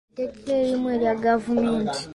Ettaka erimu lya gavumenti.